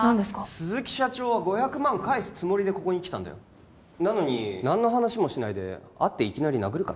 鈴木社長は５００万返すつもりでここに来たんだよなのに何の話もしないで会っていきなり殴るかな？